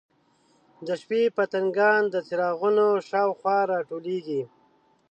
د شپې پتنګان د څراغونو شاوخوا راټولیږي.